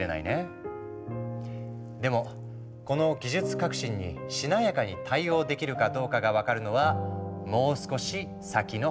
でもこの技術革新にしなやかに対応できるかどうかが分かるのはもう少し先の話。